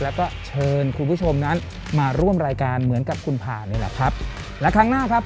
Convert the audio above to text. แล้วก็เชิญคุณผู้ชมนั้นมาร่วมรายการเหมือนกับคุณผ่านนี่แหละครับและครั้งหน้าครับ